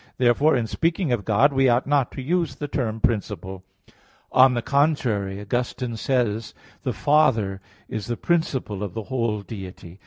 Therefore in speaking of God we ought not to used the term principle. On the contrary, Augustine says (De Trin. iv, 20), "The Father is the Principle of the whole Deity."